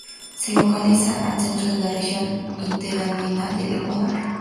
Se localiza al centro de la Región interandina del Ecuador.